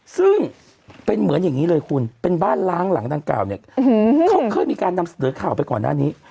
ซึ่งเป็นเหมือนอย่างนี้เลยคุณเป็นบ้านล้างหลังดังกล่าวเนี่ยเขาเคยมีการนำเสนอข่าวไปก่อนหน้านี้